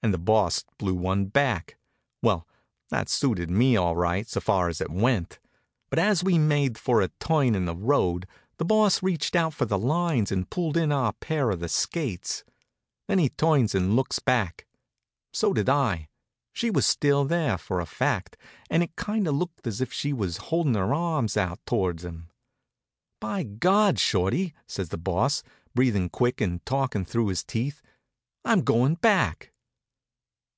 And the Boss blew one back. Well, that suited me, all right, so far as it went. But as we made for a turn in the road the Boss reached out for the lines and pulled in our pair of skates. Then he turns and looks back. So did I. She was still there, for a fact, and it kind of looked as if she was holding her arms out toward him. "By God, Shorty," says the Boss, breathing quick and talking through his teeth, "I'm going back."